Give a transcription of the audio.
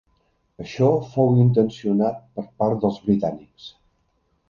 Això fou intencionat per part dels britànics.